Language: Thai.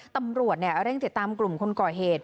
ตำรวจเร่งติดตามกลุ่มคนก่อเหตุ